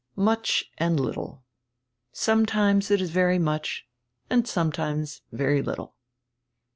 Much and littie. Sometimes it is very much and sometimes very little."